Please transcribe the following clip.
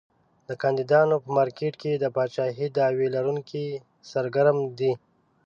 د کاندیدانو په مارکېټ کې د پاچاهۍ دعوی لرونکي سرګرم دي.